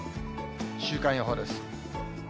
週間予報です。